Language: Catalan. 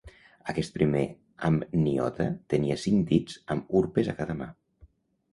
Aquest primer amniota tenia cinc dits amb urpes a cada mà.